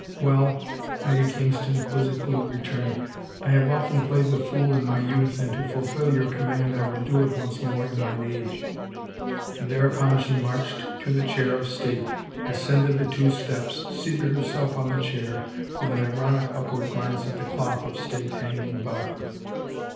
Well," Lady Kingston quizzically returned, " I have often played the fool in my youth and to fulfill your command, I will do it once more in mine age," and there upon she marched to the chair of state, ascended the two steps, seated herself on the chair, with an ironic upward glance at the cloth of state hanging about her.